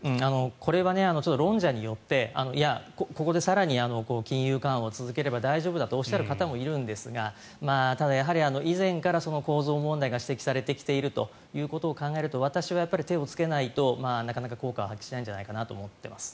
これは論者によってここで更に金融緩和を続ければ大丈夫だとおっしゃる方もいるんですがただ、やはり以前から構造問題が指摘されているということを考えると私はやっぱり手をつけないとなかなか効果を発揮しないんじゃないかなと思っています。